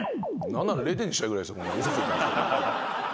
何なら０点にしたいぐらいです。